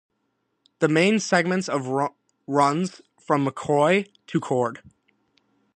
The main segment of runs from McCrory to Cord.